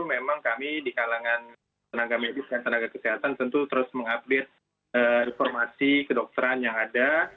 memang kami di kalangan tenaga medis dan tenaga kesehatan tentu terus mengupdate informasi kedokteran yang ada